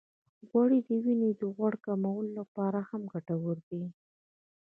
غوړې د وینې د غوړ د کمولو لپاره هم ګټورې دي.